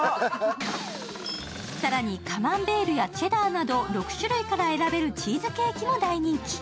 更にカマンベールやチェダーなど６種類から選べるチーズケーキも大人気。